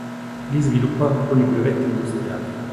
Lì sviluppo alcuni brevetti industriali.